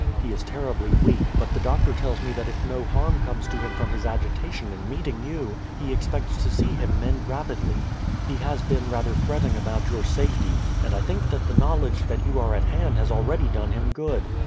He is terribly weak; but the doctor tells me that if no harm comes to him from his agitation in meeting you, he expects to see him mend rapidly. He has been rather fretting about your safety, and I think that the knowledge that you are at hand has already done him good.